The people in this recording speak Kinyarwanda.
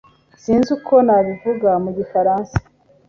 Sinzi uko nabivuga mu gifaransa.